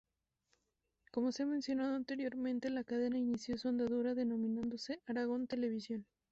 Como se ha mencionado anteriormente, la cadena inició su andadura denominándose Aragón Televisión.